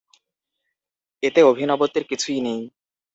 এতে অভিনবত্বের কিছুই নেই।